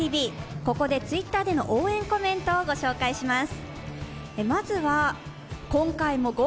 ここでＴｗｉｔｔｅｒでの応援コメントをご紹介します。